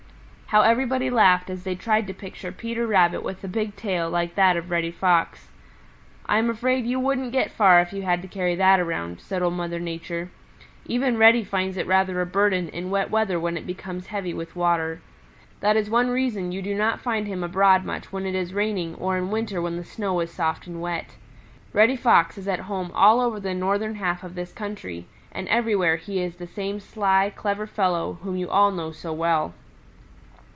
How everybody laughed as they tried to picture Peter Rabbit with a big tail like that of Reddy Fox. "I am afraid you wouldn't get far if you had to carry that around," said Old Mother Nature. "Even Reddy finds it rather a burden in wet weather when it becomes heavy with water. That is one reason you do not find him abroad much when it is raining or in winter when the snow is soft and wet. Reddy Fox is at home all over the northern half of this country, and everywhere he is the same sly, clever fellow whom you all know so well.